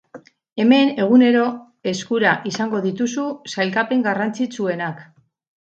Hemen egunero eskura izango dituzu sailkapen garrantzitsuenak.